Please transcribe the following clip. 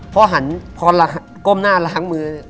พอหันพอก้มหน้าล้างมือ